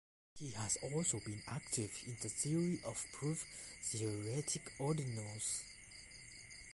He has also been active in the theory of proof-theoretic ordinals.